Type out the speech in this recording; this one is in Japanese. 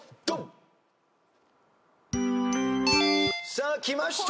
さあきました